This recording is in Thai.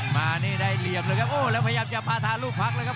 มานี่ได้เหลี่ยมเลยครับโอ้แล้วพยายามจะปาธาลูกพักแล้วครับ